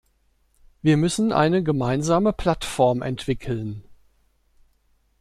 Wir müssen eine gemeinsame Plattform entwickeln.